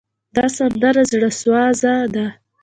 دا سندره زړوسوزه ده.